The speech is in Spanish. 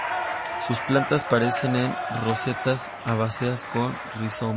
Son plantas perennes en rosetas herbáceas con rizoma.